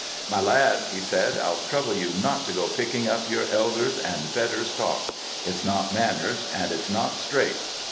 'My lad,' he says, 'I'll trouble you not to go picking up your elders' and betters' talk: it's not manners and it's not straight.